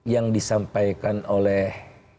yang disampaikan oleh